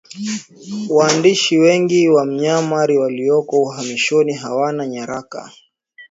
Waandishi wengi wa Myanmar walioko uhamishoni hawana nyaraka